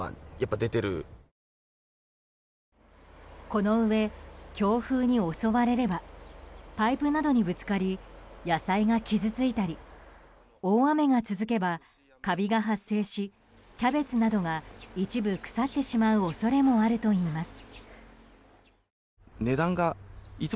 このうえ、強風に襲われればパイプなどにぶつかり野菜が傷ついたり大雨が続けば、カビが発生しキャベツなどが一部腐ってしまう恐れがあるといいます。